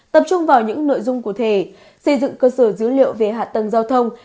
tập trung vào những nội dung cụ thể xây dựng cơ sở dữ liệu về hạ tầng giao thông